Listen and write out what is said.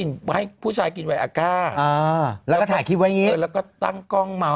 แล้วพูดมาก็บอกว่านะ